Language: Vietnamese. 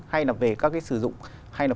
hay là về các cái sử dụng hay là